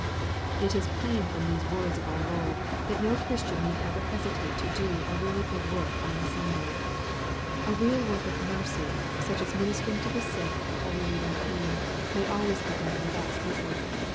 It is plain from these words of our Lord, that DO Christian need ever hesitate to do a really good work on the Sunday. A real work of mercy, such as ministering 46 EXPOSITORY THOUGHTS. to the sick, or relieving pain, may always be done with out scruple.